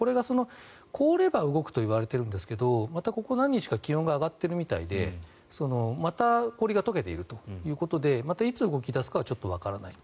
凍れば動くといわれているんですがまたここ何日か気温が上がっているみたいでまた氷が解けているということでまたいつ動き出すかはわからない。